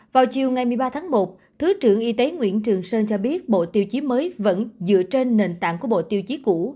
vào chiều ngày một mươi ba tháng một thứ trưởng y tế nguyễn trường sơn cho biết bộ tiêu chí mới vẫn dựa trên nền tảng của bộ tiêu chí cũ